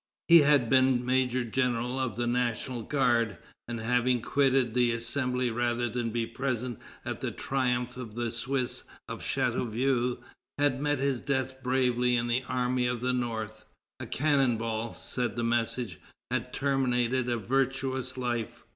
He had been major general of the National Guard, and, having quitted the Assembly rather than be present at the triumph of the Swiss of Chateauvieux, had met his death bravely in the Army of the North. "A cannon ball," said the message, "has terminated a virtuous life."